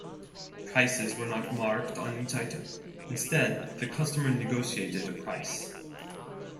Prices were not marked on each item; instead the customer negotiated a price.